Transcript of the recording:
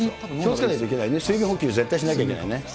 気をつけないといけないね、水分補給、絶対しなきゃいけないね。